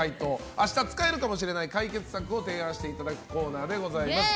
明日使えるかもしれない解決策を提案していただくコーナーです。